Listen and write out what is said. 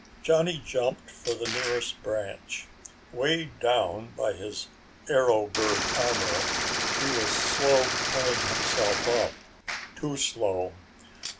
Johnny jumped for the nearest branch. Weighed down by his arrow bird armor, he was slow pulling himself up too slow.